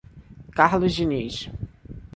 Carlos Dinis